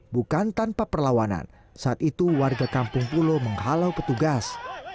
bukan tanpa perlawanan saat itu warga kampung pulo menghalau petugas